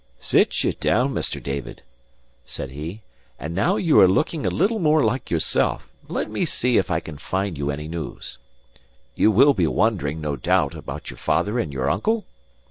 "Sit ye down, Mr. David," said he, "and now that you are looking a little more like yourself, let me see if I can find you any news. You will be wondering, no doubt, about your father and your uncle?